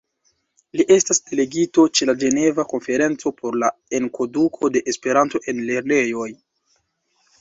Li estis delegito ĉe la Ĝeneva konferenco por la enkonduko de Esperanto en lernejoj.